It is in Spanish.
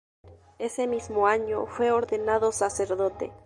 Ese mismo año, fue ordenado sacerdote.